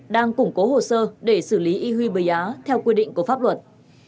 đang củng cố hồ sơ để xử lý huy bìa theo quy định của pháp luật